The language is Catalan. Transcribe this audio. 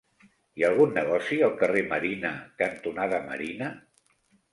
Hi ha algun negoci al carrer Marina cantonada Marina?